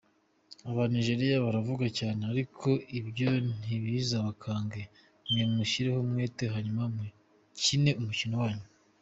Aba Nigeria baravuga cyane ariko ibyo ntibazabakange, mwebwe mushyireho umwete hanyuma mukine umukino wanyu,".